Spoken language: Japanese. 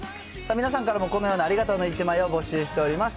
皆さんからのこのようなありがとうの１枚を募集しております。